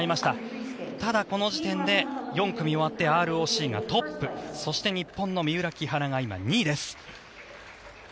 ただ、この時点で４組終わってＲＯＣがトップそして、日本の三浦・木原が今、２位です。